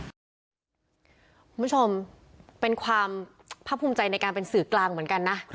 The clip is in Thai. คุณผู้ชมเป็นความภาคภูมิใจในการเป็นสื่อกลางเหมือนกันนะ